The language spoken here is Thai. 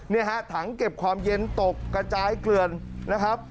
เนี่ยฮะถังเก็บความเย็นตกกระจายเกลือนนะครับ